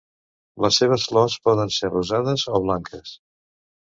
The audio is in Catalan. Les seves flors poden ser rosades o blanques.